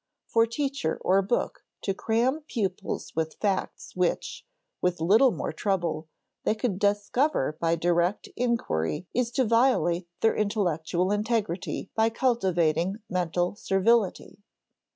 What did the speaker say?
For teacher or book to cram pupils with facts which, with little more trouble, they could discover by direct inquiry is to violate their intellectual integrity by cultivating mental servility.